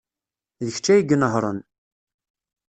D kečč ay inehhṛen.